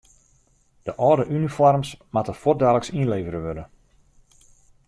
De âlde unifoarms moatte fuortdaliks ynlevere wurde.